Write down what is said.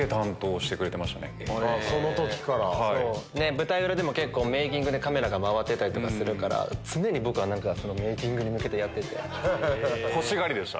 舞台裏でもメイキングでカメラが回ってたりするから常に僕はメイキングに向けてやってて。